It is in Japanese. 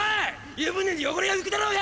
湯舟に汚れが浮くだろが！